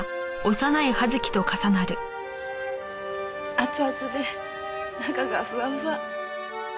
熱々で中がふわふわ。